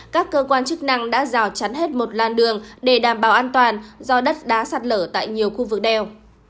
các cơ quan chức năng đã rào chắn hết một làn đường để đảm bảo an toàn do đất đá sạt lở tại nhiều khu vực đèo